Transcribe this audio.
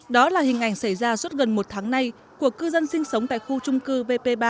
đó là hình ảnh xảy ra suốt gần một tháng nay của cư dân sinh sống tại khu trung cư vp ba